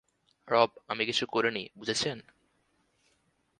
রব, আমি কিছু করিনি, বুঝেছেন?